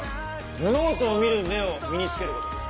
物事を見る目を身につけること。